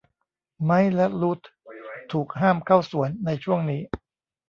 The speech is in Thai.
ไมค์และรูธถูกห้ามเข้าสวนในช่วงนี้